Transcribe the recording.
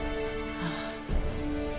ああ。